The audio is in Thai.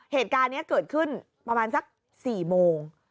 เหตุการณ์นี้เกิดขึ้นประมาณสัก๔โมง